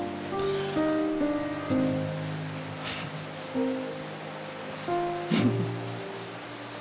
フフフ。